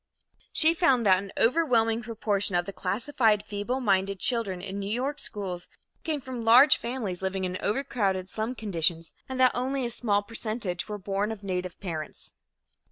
She found that an overwhelming proportion of the classified feebleminded children in New York schools came from large families living in overcrowded slum conditions, and that only a small percentage were born of native parents.